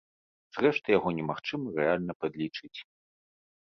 Зрэшты, яго немагчыма рэальна падлічыць.